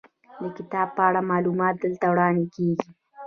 د کتاب په اړه معلومات دلته وړاندې کیږي.